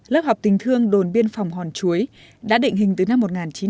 lớp học tình thương đồn biên phòng hòn chuối đã định hình từ năm một nghìn chín trăm bảy mươi